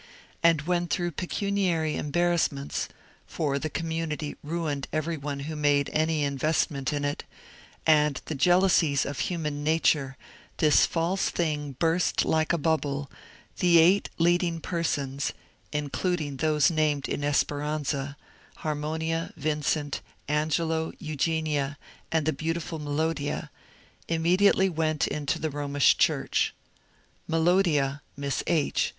And when through pecimiary embarrassments — for the community ruined every one who made any investment in it — and the jealousies of human nature, this false thing burst like a bubble, the eight leading persons (including those named in ^^ Esperanza," Har monia, Vincent, Angelo, Eugenia, and the beautiful Melodia) immediately went into the Romish Church. Melodia (Miss H.)